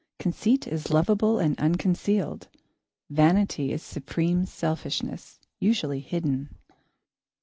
Conceit is lovable and unconcealed; vanity is supreme selfishness, usually hidden.